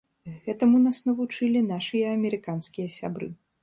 Гэтаму нас навучылі нашыя амерыканскія сябры.